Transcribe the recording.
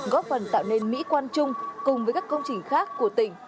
góp phần tạo nên mỹ quan chung cùng với các công trình khác của tỉnh